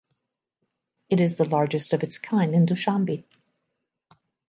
It is the largest of its kind in Dushanbe.